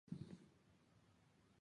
La sede del condado es Janesville.